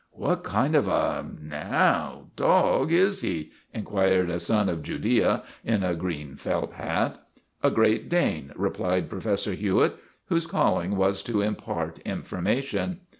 " What kind of a, now, dog is he? ' inquired a son of Judea in a green felt hat. "A Great Dane," replied Professor Hewitt, whose calling was to impart information.